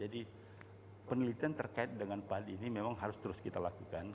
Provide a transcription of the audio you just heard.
jadi penelitian terkait dengan padi ini memang harus terus kita lakukan